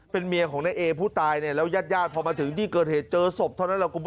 เป็นเมียของนักเอผู้ตายแล้วยาดพอมาถึงที่เกิดเหตุเจอศพเท่านั้นล่ะ